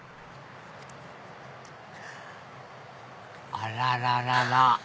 あらららら！